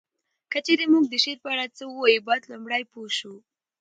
که چیري مونږ د شعر په اړه څه ووایو باید لومړی پوه شو